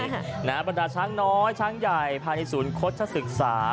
ไว้นะครับประณาจช้ักน้อยช้างใหญ่ภายในศูนย์คดชศึกษา